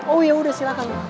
oh yaudah silakan